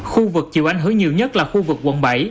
khu vực chịu ánh hứa nhiều nhất là khu vực quận bảy